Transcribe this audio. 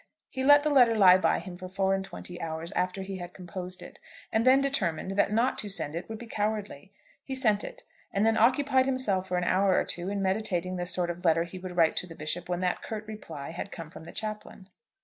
He let the letter lie by him for four and twenty hours after he had composed it, and then determined that not to send it would be cowardly. He sent it, and then occupied himself for an hour or two in meditating the sort of letter he would write to the Bishop when that curt reply had come from the chaplain.